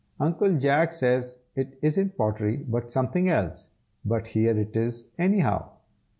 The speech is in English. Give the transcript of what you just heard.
"Uncle Jack says it isn't pottery, but something else; but here it is, anyhow."